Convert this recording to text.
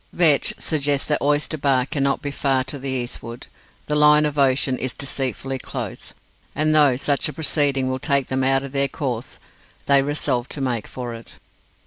Vetch suggests that Oyster Bay cannot be far to the eastward the line of ocean is deceitfully close and though such a proceeding will take them out of their course, they resolve to make for it.